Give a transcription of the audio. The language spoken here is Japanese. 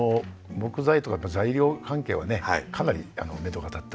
木材とか材料関係はねかなりめどが立ったと。